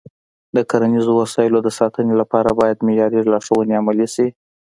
د کرنیزو وسایلو د ساتنې لپاره باید معیاري لارښوونې عملي شي.